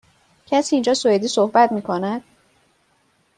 کسی اینجا سوئدی صحبت می کند؟